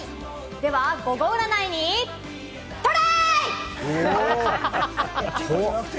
では、ゴゴ占いにトライ！